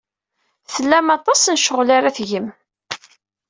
Tlam aṭas n ccɣel ara tgem.